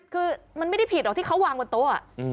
คือมันไม่ได้ผิดหรอกที่เขาวางบนโต๊ะ